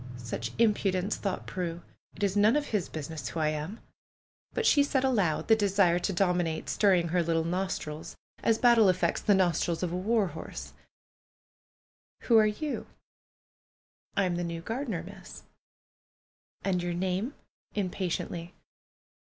" Such impudence I" thought Prue. "It is none of his business who I am !" But she said aloud, the desire to dominate stirring her little nostrils as battle affects the nostrils of a war horse : "Who are you?" "I am the new gardener. Miss." "And your name?" impatiently.